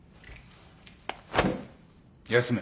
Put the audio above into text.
休め。